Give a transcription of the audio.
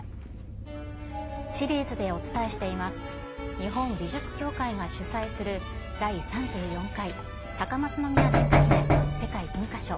シリーズでお伝えしています、日本美術協会が主催する第３４回高松宮殿下記念世界文化賞。